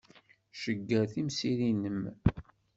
Cegger timsirin-nnem.